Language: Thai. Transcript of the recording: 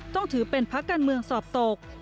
ต้องถือเป็นพักการเมืองสอบตก